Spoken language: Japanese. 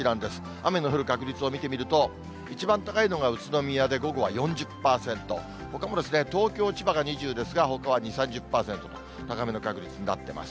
雨の降る確率を見てみると、一番高いのが宇都宮で午後は４０％、ほかも東京、千葉が２０ですがほかは２、３０％と、高めの確率になってます。